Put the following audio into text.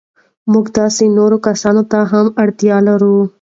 موږ داسې نورو کسانو ته هم اړتیا لرو.